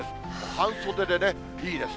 半袖でね、いいです。